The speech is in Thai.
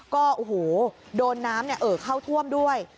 ก็โดนน้ำเข้าท่วมด้วย